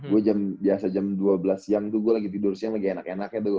gue jam biasa jam dua belas siang tuh gue lagi tidur siang lagi enak enaknya tuh